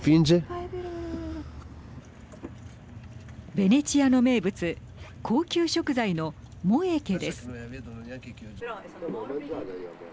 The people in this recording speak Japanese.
ベネチアの名物高級食材のモエケです。